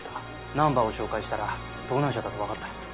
ナンバーを照会したら盗難車だと分かった。